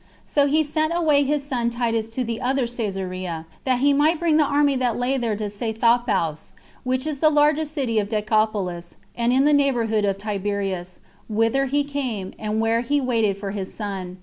So he sent away his son Titus to [the other] Cesarea, that he might bring the army that lay there to Seythopous, which is the largest city of Decapolis, and in the neighborhood of Tiberias, whither he came, and where he waited for his son.